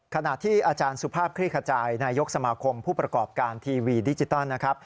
ขณะที่อาจารย์สุภาพคลี่ขจายนายกสมาคมผู้ประกอบการทีวีดิจิตอลนะครับ